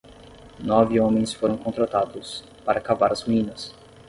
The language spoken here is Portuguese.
Nove homens foram contratados para cavar as ruínas.